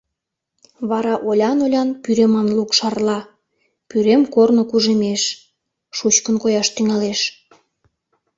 Вара олян-олян пӱреман лук шарла, пӱрем корно кужемеш... шучкын кояш тӱҥалеш...